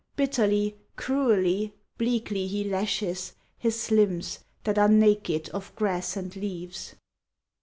Bitterly, cruelly, bleakly he lashes His limbs that are naked of grass and leaves.